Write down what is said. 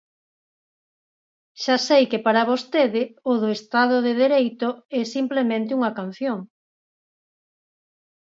Xa sei que para vostede o do Estado de dereito é simplemente unha canción.